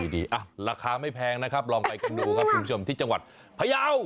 ราคาไม่แพงนะครับลองไปกันดูครับคุณผู้ชมที่จังหวัดพยาว